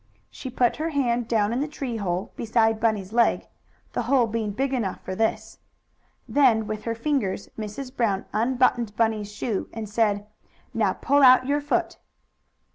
She put her hand down in the tree hole, beside Bunny's leg, the hole being big enough for this. Then, with her fingers, Mrs. Brown unbuttoned Bunny's shoe, and said: "Now pull out your foot."